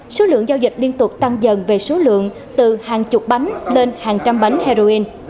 số lượng giao dịch liên tục tăng dần về số lượng từ hàng chục bánh lên hàng trăm bánh heroin